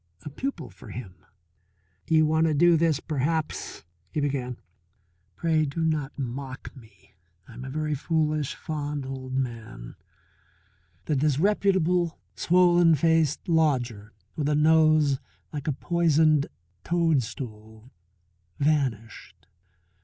A pupil for him! "You want to do this perhaps," he began. "Pray do not mock me; I am a very foolish, fond old man " The disreputable, swollen faced lodger with a nose like a poisoned toadstool vanished.